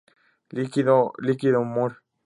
Líquido humor.